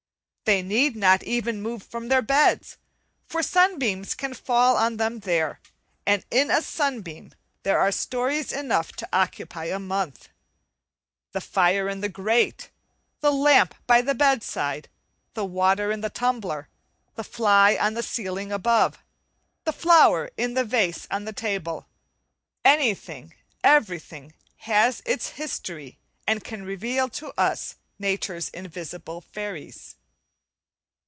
They need not even move from their beds, for sunbeams can fall on them there, and in a sunbeam there are stories enough to occupy a month. The fire in the grate, the lamp by the bedside, the water in the tumbler, the fly on the ceiling above, the flower in the vase on the table, anything, everything, has its history, and can reveal to us nature's invisible fairies.